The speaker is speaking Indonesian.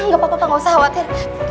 gak apa apa gak usah khawatir